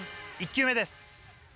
１球目です。